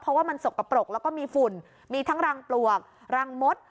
เพราะว่ามันสกปรกแล้วก็มีฝุ่นมีทั้งรังปลวกรังมด